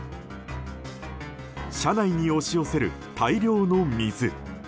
車内に押し寄せる大量の水。